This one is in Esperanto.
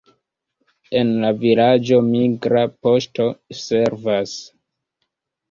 En la vilaĝo migra poŝto servas.